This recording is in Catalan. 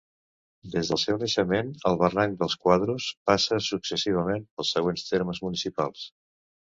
Des del seu naixement, el Barranc dels Quadros passa successivament pels següents termes municipals.